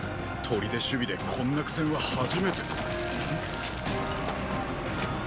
砦守備でこんな苦戦は初めてん？